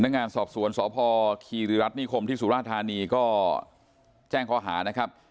งานสอบสวนสพคีริรัฐนิคมที่สุราธานีก็แจ้งข้อหานะครับ